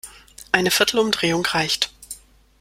Eine viertel Umdrehung reicht.